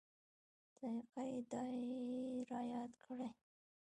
ذایقه یې دای رایاد کړي.